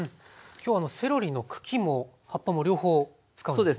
今日セロリの茎も葉っぱも両方使うんですね。